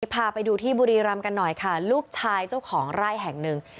พาไปดูที่บุรีรำกันหน่อยค่ะลูกชายเจ้าของไร่แห่งหนึ่ง